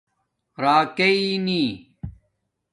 راکانی